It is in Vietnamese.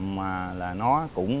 mà là nó cũng